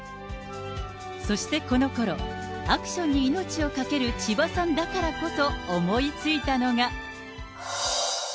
そしてこのころ、アクションに命を懸ける千葉さんだからこそ思いついたのが。